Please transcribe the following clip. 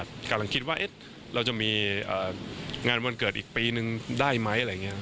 กำลังคิดว่าเราจะมีงานวันเกิดอีกปีนึงได้ไหม